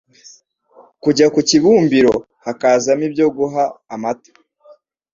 kujya ku kibumbiro hakazamo ibyo guha amata